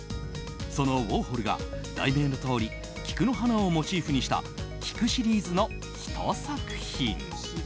そのウォーホルが題名のとおり菊の花をモチーフにした「ＫＩＫＵ」シリーズの１作品。